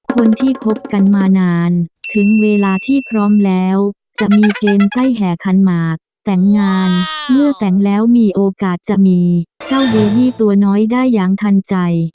คนที่คบกันมานานถึงเวลาที่พร้อมแล้วจะมีเกณฑ์ใกล้แห่ขันหมากแต่งงานเมื่อแต่งแล้วมีโอกาสจะมีเจ้าเดมี่ตัวน้อยได้อย่างทันใจ